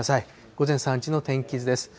午前３時の天気図です。